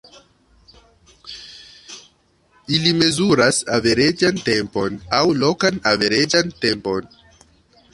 Ili mezuras averaĝan tempon aŭ "lokan averaĝan tempon".